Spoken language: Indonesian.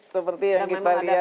seperti yang kita lihat